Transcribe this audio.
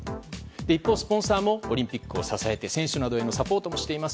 一方、スポンサーもオリンピックを支えて選手などへのサポートをしています。